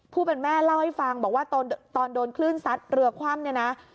ผู้เป็นแม่เล่าให้ฟังบอกว่าตอนโดนคลื่นซัดเรือคว่ำเนี่ยนะ